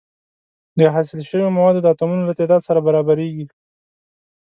د حاصل شوو موادو د اتومونو له تعداد سره برابریږي.